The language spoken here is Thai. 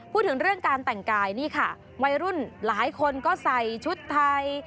พูดถึงเรื่องการแต่งกายนี่ค่ะวัยรุ่นหลายคนก็ใส่ชุดไทย